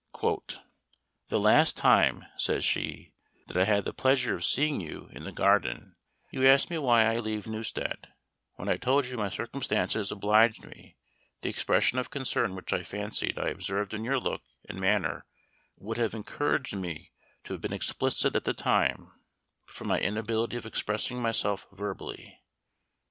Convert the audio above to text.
"The last time," says she, "that I had the pleasure of seeing you, in the garden, you asked me why I leave Newstead; when I told you my circumstances obliged me, the expression of concern which I fancied I observed in your look and manner would have encouraged me to have been explicit at the time, but from my inability of expressing myself verbally."